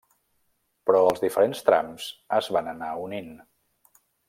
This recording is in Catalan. Però els diferents trams es van anar unint.